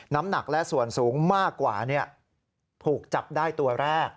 น้ำหนักและส่วนสูงมากกว่าถูกจับได้ตัวแรก